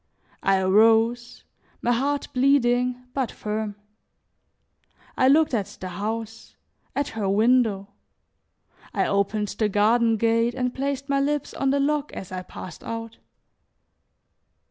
I arose, my heart bleeding but firm. I looked at the house, at her window; I opened the garden gate and placed my lips on the lock as I passed out.